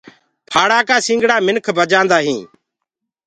ڦآڙآ ڪآ سنگڙآ منک بجآندآ هينٚ۔